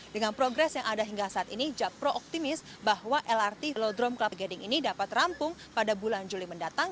dengan progres yang ada hingga saat ini japro optimis bahwa lrt velodrome kelapa gading ini dapat rampung pada bulan juli mendatang